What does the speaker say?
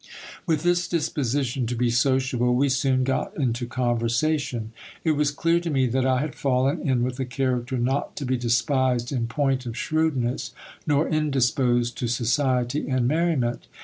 With this disposition to be sociable, we soon got into conversation. It was clear to me that I had fallen in with a character not to be despised in point of shrewdness, nor indisposed to society and merriment.